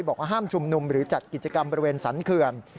บอกว่าห้ามชุมนุมหรือจัดกิจกรรมบริเวณสรรเขื่อน